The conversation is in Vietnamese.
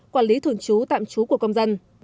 quản lý thường trú tạm trú của công dân